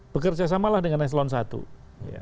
bekerja samalah dengan eselon i